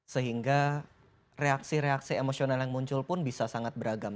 sehingga reaksi reaksi emosional yang muncul pun bisa sangat beragam